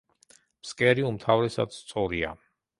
ფსკერი უმთავრესად სწორია.